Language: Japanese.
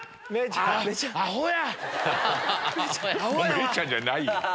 メイちゃんじゃないよ。